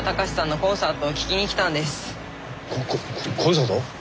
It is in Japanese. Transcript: コココンサート？